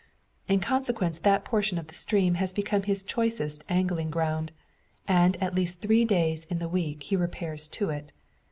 In consequence that portion of the stream has become his choicest angling ground, and at least three days in the week he repairs to it.